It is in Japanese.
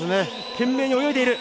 懸命に泳いでいる。